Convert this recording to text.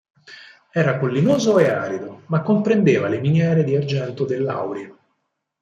Era collinoso e arido, ma comprendeva le miniere di argento del Laurio.